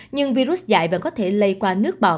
nhưng virus dạy vẫn có thể lây qua nước bào